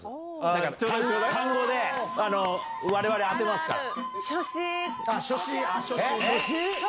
だから、単語でわれわれ、当てますから。